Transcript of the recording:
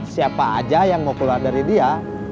siapa aja yang mau keluar dari dia